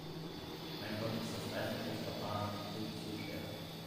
Mein Gott, ist das Reißverschlussverfahren wirklich so schwer?